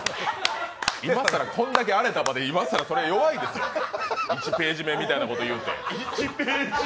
これだけ荒れた場所で今更弱いですよ、１ページ目みたいなこと言うて。